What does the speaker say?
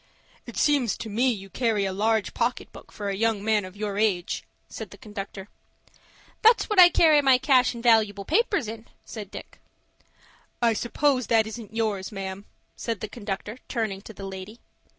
"It seems to me you carry a large pocket book for a young man of your age," said the conductor. "That's what I carry my cash and valooable papers in," said Dick. "I suppose that isn't yours, ma'am," said the conductor, turning to the lady.